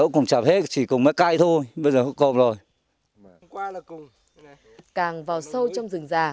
càng vào sâu trong rừng già